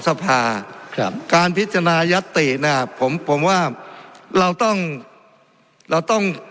สภาครับการพิจารณายัตติเนี่ยผมผมว่าเราต้องเราต้อง